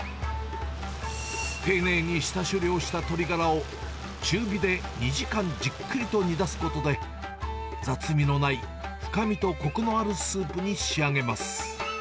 丁寧にした処理をした鶏ガラを、中火で２時間じっくりとに出すことで、雑味のない深みとこくのあるスープに仕上げます。